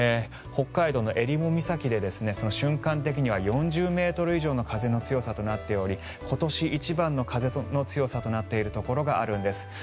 北海道のえりも岬で瞬間的には４０ｍ以上の風の強さとなっており今年一番の風の強さとなっているところがあるんです。